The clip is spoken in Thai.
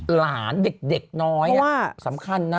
หลานเด็กน้อยสำคัญนะ